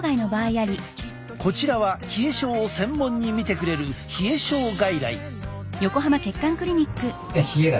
こちらは冷え症を専門に診てくれる冷え症外来。